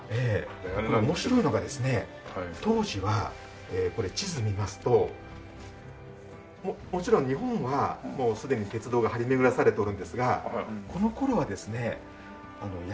面白いのがですね当時はこれ地図見ますともちろん日本はもうすでに鉄道が張り巡らされているんですがこの頃はですね山手線。